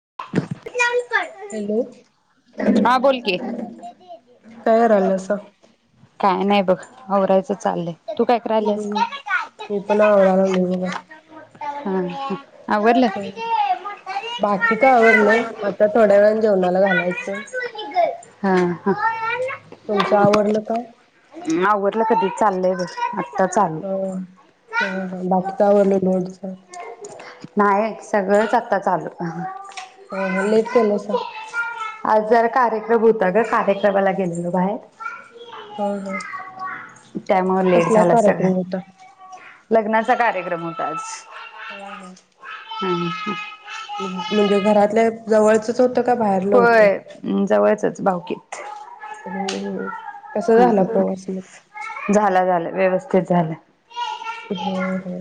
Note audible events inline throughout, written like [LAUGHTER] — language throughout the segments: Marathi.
[INAUDIBLE] हॅलो. हा बोल की. काय कराल्या सा. काय नाही बघ आवरायचं चाललंय. तू काय हुं करायल्यास? मी पण आवराय लागलोय बघा. हा ह. बाकी तर आवरलय आता थोड्या वेळान जेवणाला घालायचं. हा ह तुमचं आवरलं काय? आवरलं कधीच चाललंय बघ. [INAUDIBLE] हम् ह हा बाकी तव [UNINTELLIGIBLE] नाही सगळंच आता चालू ह हा लेट केलंसा. आज जरा कार्यक्रम होता ग कार्यक्रमाला गेलेलो बाहेर. होय होय. त्यामुळे लेट झाला सगळ्यां लग्नाचा कार्यक्रम हो पाच. ह हा हम् ह म्हणजे घरातल्या जवळचच हो होय जवळचच भावकीत हम हम्म कसा झाला प्रवास मग? झाला झाला व्यवस्थित ते झालं हम् हम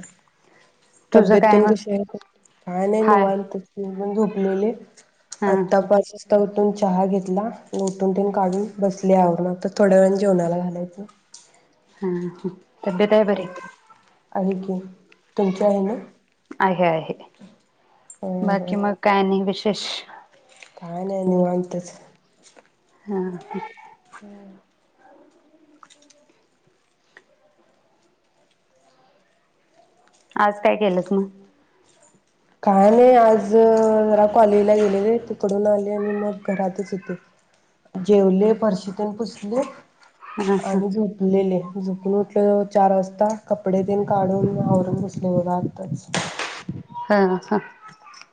तुझं तब्येत काय तेन मग कशी आहे आता काय नाही हाय निवांत मग झोपलेले हा आता पाच वाजता उठु उठून चहा घेतला लोटून तेन काढुन बसले आवरुण आता थोड्या वेळानं जेवणाला घालायचं हां तब्येत आहे हो बरी आहे की तुमची आहे ना? आहे आहे हं हं बाकी म काय आणि विशे विष काय नाही निवांतच हा ह हम्म आज काय केलंस मग काय नाही आज जरा कॉलेजला गेलेले तिकडून आले आणि मग घरातच होते जेवले फरशी तेन पुसली आणि झोपलेले झोप मग उठले चार वाजता कपडे तेन काढून आवरून बसलोय बघ आताच. हा हा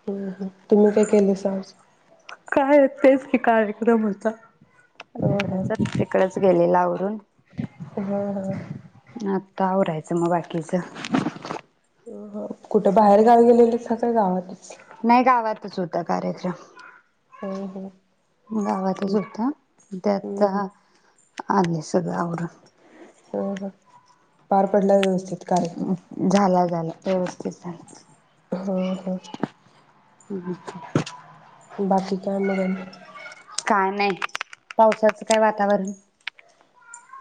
हम् ह तुम्ही काय केलेसा आज? काय तेच की कार्यक्रम होता लग्नाचा तिकडच गेलेला आव [INAUDIBLE] हा हा आता आवरायचं मग बाकीचं कुठं बाहेर गावी गेलेलीस का गावातचं नाही गावातचं होता कार्यक्रम ह‌्म ह् गावातचं होता म ते हं आता हं आलीया सगळं आवरून हं हं पार पडला व्यवस्थ [UNINTELLIGIBLE] झाला झाला व्यवस्थित झालं सगळं. ह हं. [UNINTELLIGIBLE] बाकी काय मग आणि? काय नाही. पावसाचं काय वातावरण.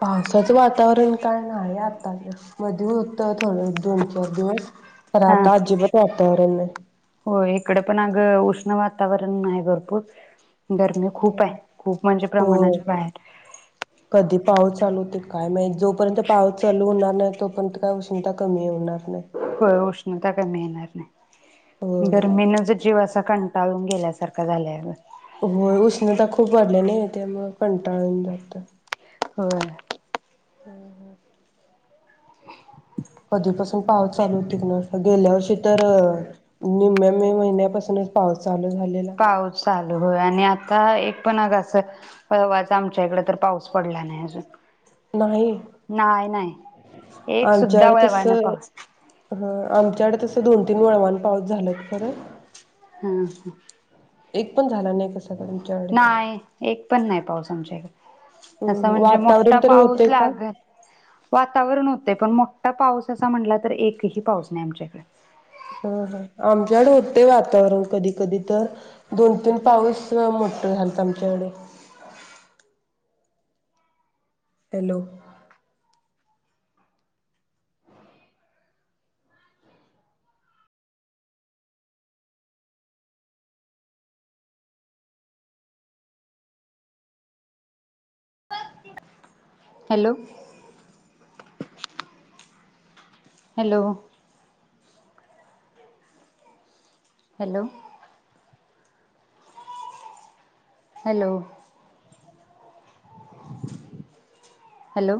पावसाचं वातावरण काय नाही आता तर मधी होत थोडं दोन -चार दिवस. खरं आता अजीबात वातावरण नाही. होय इकडं पण अगं उष्ण वातावरण नाही भरपूर. गरमी खूप नाही आहे. खूप म्हणजे होय प्रमाणाच्या बाहेर. कधी पाऊस चालू होतोय काय माहित जोपर्यंत पाऊस चालू होणार नाही तोपर्यंत काय उष्णता कमी होणार नाही. होय उष्णता कमी येणार नाही. होय गर्मीनं जिवं असं आता कंटाळून गेल्यासारखं झालंय अगं. होय उष्णता खूप वाढली नई त्यामुळं. कंटाळून जातोय. होय. ह‌् ह कधीपासून पाऊस चालू होतोय कुणास ठाऊक गेल्या वर्षी तर निम्म्या मे महिन्यापासूनच पाऊस चालू झालेला पाऊस चालू हो आणि आ - - काय एक पण अगं असं वळवाचा आमच्या इकडं तर पाऊस पडला नाही अजून. नाही. नाही नाही एक सुद्धा आमच्याकडे वळवा ना तसं पाऊस ह‌् आमच्याकडे तसं दोन तीन वळवान पाऊस झाल्यात. खरं. हम् हम. एक पण झाला नाही कसा. तर आमच्याकडे नाय. एक पण नाही पाऊस आमच्या इकडं. असं हम्म म्हणजे वातावरण मोठा तरी पाऊस होते का लागलं वातावरण होतयं पण मो आता पाऊस असा म्हटला तर एकही पाऊस नाही आमच्या इकडे. हा हा आमच्याकडं होतेय वातावरण कधी कधी तर. दोन -तीन पाऊस मोठ झालंत. आमच्याकडे hello. Hello. Hello. Hello. Hello. Hello.